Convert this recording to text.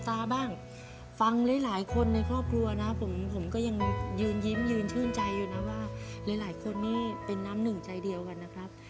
ฟังหลายคนในครอบครัวนะผมก็ยังยืนยิ้มยืนชื่นใจอยู่นะว่าหลายคนนี่เป็นน้ำหนึ่งใจเดียวกันนะครับ